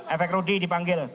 efek rudy dipanggil